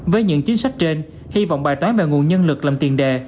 với những chính sách trên hy vọng bài toán về nguồn nhân lực làm tiền đề